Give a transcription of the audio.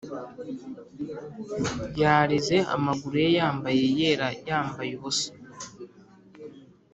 yarize amaguru ye yambaye yera yambaye ubusa